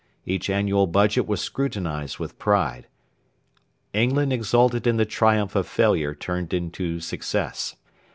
Each annual Budget was scrutinised with pride. England exulted in the triumph of failure turned into success.